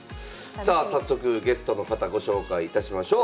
さあ早速ゲストの方ご紹介いたしましょう。